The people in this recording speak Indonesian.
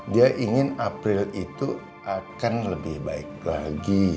dia ingin april itu akan lebih baik lagi